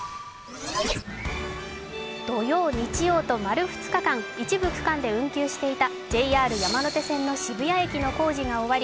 土曜、日曜と丸２日間、一部区間で運休していたＪＲ山手線の渋谷駅の工事が終わり